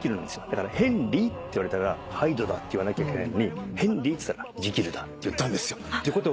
だから「ヘンリー？」って言われたら「ハイドだ」って言わなきゃいけないのに「ヘンリー？」って言ったら「ジキルだ」って言ったんですよ。